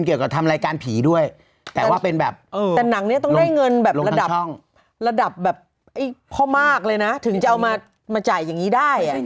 ทำรายการผีด้วยแต่ว่าเป็นแบบแต่หนังนี้ต้องได้เงินแบบระดับระดับแบบไอ้พ่อมากเลยนะถึงจะเอามาจ่ายอย่างนี้ได้